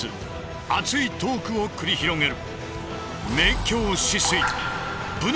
熱いトークを繰り広げる！